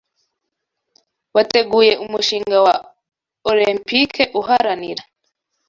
wateguye umushinga wa Olempike uharanira